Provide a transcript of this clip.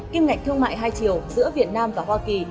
kim ngạch thương mại hai triệu giữa việt nam và hoa kỳ